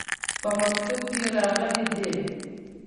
په مکتوب کې راغلي دي.